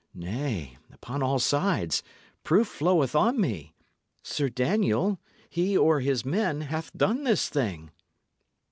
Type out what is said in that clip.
Nay, upon all sides, proof floweth on me. Sir Daniel, he or his men, hath done this thing."